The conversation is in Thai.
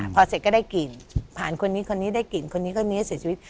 พอเสร็จก็ได้กลิ่นผ่านคนนี้คนนี้ได้กลิ่นคนนี้คนนี้เสียชีวิต